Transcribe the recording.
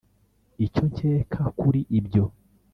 Icyo nkeka kuli ibyo.